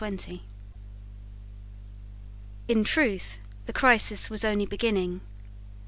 In truth the crisis was only beginning.